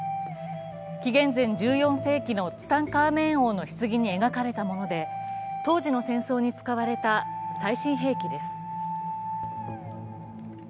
紀元前１４世紀のツタンカーメン王のひつぎに描かれたもので、当時の戦争に使われた最新兵器です。